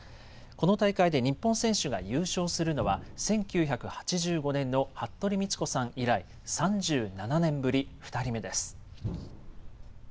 この大会で日本選手が優勝するのは１９８５年の服部道子さん以来３７年ぶり２人目です。